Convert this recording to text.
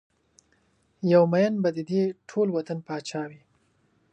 یو ميېن به ددې ټول وطن پاچا وي